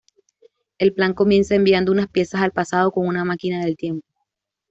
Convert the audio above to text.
El plan comienza enviando unas piezas al pasado con una máquina del tiempo.